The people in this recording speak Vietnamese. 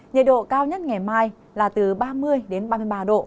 nhiệt độ cao nhất ngày mai là từ ba mươi đến ba mươi ba độ